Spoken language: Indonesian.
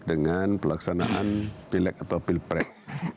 dengan pelaksanaan pilek atau pilpres